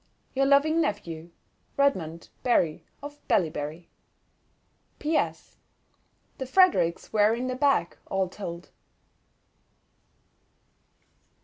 —Your loving Nephew, REDMOND BARRY, OF BALLYBARRY. P.S.—The Fredericks were in the bag, all told.